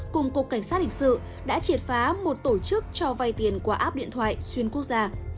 cảnh sát lịch sự đã triệt phá một tổ chức cho vay tiền qua áp điện thoại xuyên quốc gia